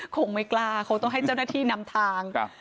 คงไม่กล้าคงต้องให้เจ้าหน้าที่นำทาง